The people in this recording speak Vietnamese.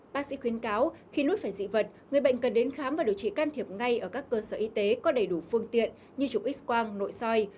bác sĩ khuyến cáo khi lốt phải dị vật người bệnh cần đến khám và điều trị can thiệp ngay ở các cơ sở y tế có đầy đủ phương tiện như chụp x quang nội soi